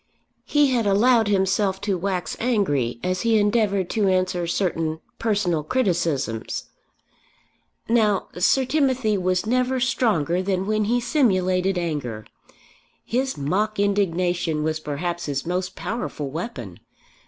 He had allowed himself to wax angry as he endeavoured to answer certain personal criticisms. Now Sir Timothy was never stronger than when he simulated anger. His mock indignation was perhaps his most powerful weapon.